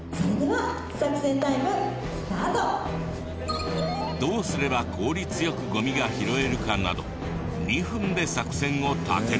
それではどうすれば効率よくゴミが拾えるかなど２分で作戦を立てる。